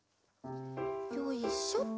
よいしょっと。